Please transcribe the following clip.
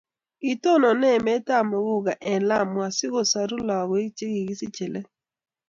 kitononi amekab muguka eng Lamu asikosoru lakoik chekisichei let